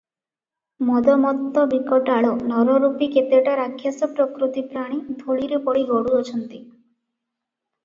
ମଦମତ୍ତ ବିକଟାଳ ନରରୂପୀ କେତେଟା ରାକ୍ଷସପ୍ରକୃତି ପ୍ରାଣୀ ଧୂଳିରେ ପଡ଼ି ଗଡ଼ୁ ଅଛନ୍ତି ।